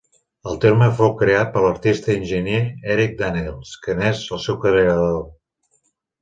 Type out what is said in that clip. El terme fou creat per l'artista i enginyer Eric Daniels que n'és el seu creador.